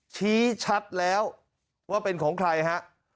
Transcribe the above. ชี้ชัดแล้วว่าเป็นของใครฮะ